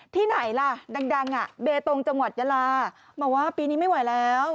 ที่ไหนล่ะดังอ่ะเบตงจังหวัดยาลาบอกว่าปีนี้ไม่ไหวแล้ว